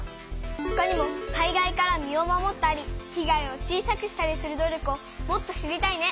ほかにも災害から身を守ったり被害を小さくしたりする努力をもっと知りたいね！